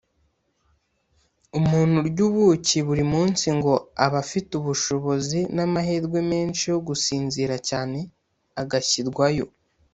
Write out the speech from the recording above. Umuntu urya ubuki buri munsi ngo aba afite ubushobozi n’amahirwe menshi yo gusinzira cyane agashyirwayo